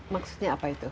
maksudnya apa itu